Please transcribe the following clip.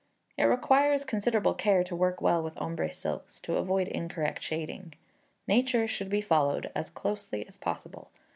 It requires considerable care to work well with ombre silks, to avoid incorrect shading. Nature should be followed as closely as possible.